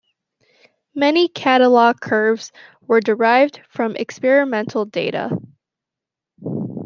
Many catalog curves were derived from experimental data.